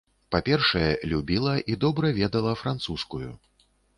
Па-першае, любіла і добра ведала французскую.